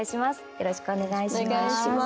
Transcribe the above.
よろしくお願いします。